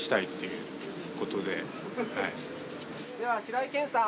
では平井堅さん